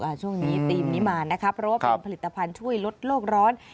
ช่วงนี้ธีมนี้มานะคะเพราะว่าเป็นผลิตภัณฑ์ช่วยลดโลกร้อน